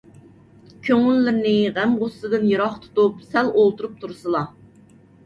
كۆڭۈللىرىنى غەم - غۇسسىدىن يىراق تۇتۇپ، سەل ئولتۇرۇپ تۇرسىلا.